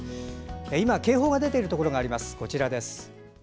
今、警報が出ているところがあります。